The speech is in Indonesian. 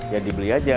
ya dibeli saja